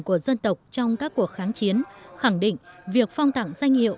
của dân tộc trong các cuộc kháng chiến khẳng định việc phong tặng danh hiệu